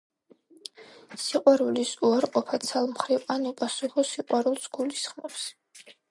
სიყვარულის უარყოფა ცალმხრივ ან უპასუხო სიყვარულს გულისხმობს.